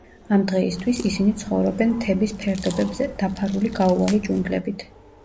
ამ დღეისთვის, ისინი ცხოვრობენ მთების ფერდობებზე, დაფარული გაუვალი ჯუნგლებით.